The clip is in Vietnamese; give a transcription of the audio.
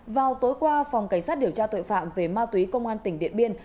vào tối qua phòng cảnh sát điều tra tội phạm về ma túy công an tỉnh điện biên